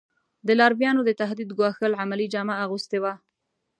د لارویانو د تهدید ګواښل عملي جامه اغوستې وه.